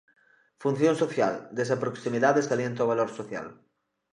Función social: Desa proximidade salienta o valor social.